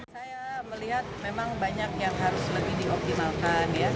saya melihat memang banyak yang harus lebih dioptimalkan ya